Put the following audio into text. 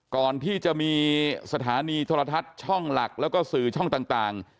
ก่อนที่จะมีสถานีโทรทัศน์ช่องหลักแล้วก็สื่อช่องต่าง